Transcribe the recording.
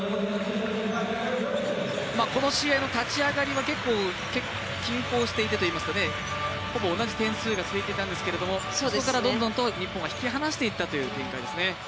この試合の立ち上がりは結構、均衡していてほぼ同じ点数が続いていたんですけれどもそこからどんどんと、日本が引き離していった展開ですね。